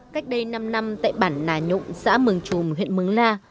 cách đây năm năm tại bản nà nhụng xã mường chùm huyện mướng la